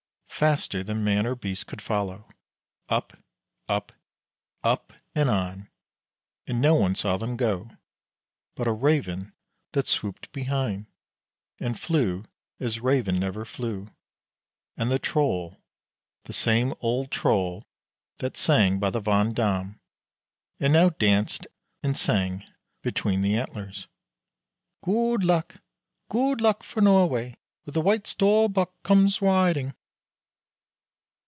Faster than man or beast could follow, up up up and on; and no one saw them go, but a Raven that swooped behind, and flew as Raven never flew, and the Troll, the same old Troll that sang by the Vand dam, and now danced and sang between the antlers: Good luck, good luck for Norway With the White Storbuk comes riding.